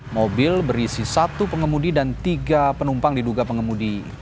mobil berisi satu pengemudi dan tiga penumpang diduga pengemudi